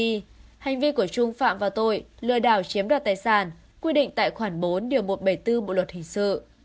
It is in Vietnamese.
khi của trung phạm vào tội lừa đảo chiếm đoạt tài sản quy định tại khoản bốn một trăm bảy mươi bốn bộ luật hình sự